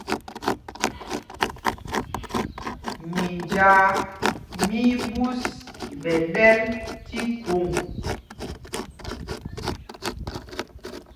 Minjāā mí í ɓǔs ɓɛ̌ ɗɛ̄l tí khuŋ.